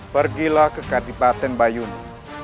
pergilah ke kadipaten bayuni